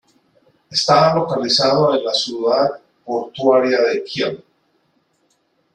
Está localizado en la ciudad portuaria de Kiel.